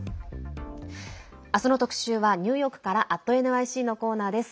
明日の特集はニューヨークから「＠ｎｙｃ」のコーナーです。